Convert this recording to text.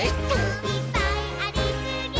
「いっぱいありすぎー！！」